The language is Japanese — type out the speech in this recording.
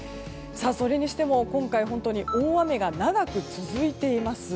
それにしても今回大雨が長く続いています。